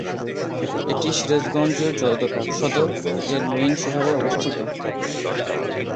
এটি সিরাজগঞ্জ সদর এর মেইন শহরে অবস্থিত।